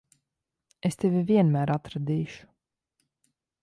Es tevi vienmēr atradīšu.